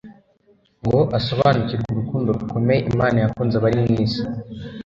ngo asobanukirwe urukundo rukomeye Imana yakunze abari mu isi,